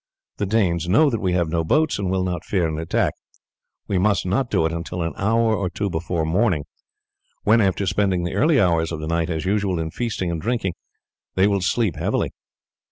The Danes know that we have no boats, and will not fear an attack. We must not do it until an hour or two before morning, when, after spending the early hours of the night as usual in feasting and drinking, they will sleep heavily.